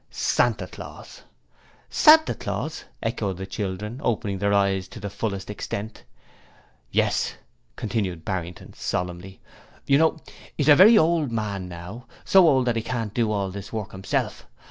'Santa Claus.' 'Santa Claus!' echoed the children, opening their eyes to the fullest extent. 'Yes,' continued Barrington, solemnly. 'You know, he is a very old man now, so old that he can't do all his work himself.